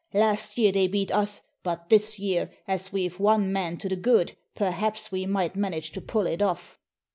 Last year they beat us, but this year, as we've one man to the good, perhaps we might •manage to pull it off."